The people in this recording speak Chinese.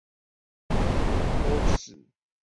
多齿安蛛为栉足蛛科安蛛属的动物。